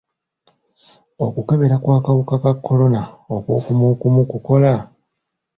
Okukebera kw'akawuka ka kolona okw'okumukumu kukola?